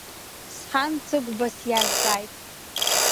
Сҳан, Цыгәба сиазҵааит.